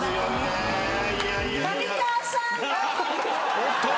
おっと！